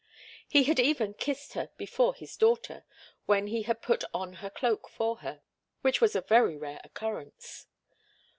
He had even kissed her before his daughter, when he had put on her cloak for her, which was a very rare occurrence.